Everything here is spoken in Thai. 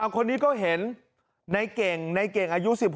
คนนี้ก็เห็นในเก่งในเก่งอายุ๑๖